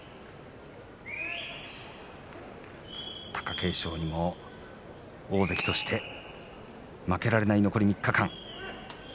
貴景勝にも大関として負けられない残り３日間。